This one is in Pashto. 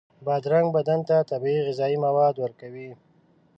بادرنګ بدن ته طبیعي غذایي مواد ورکوي.